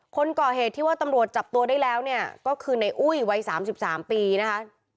คนก่อเหตุที่ว่าตำรวจจับตัวได้แล้วเนี่ยก็คือในอุ้ยวัย๓๓ปีนะคะ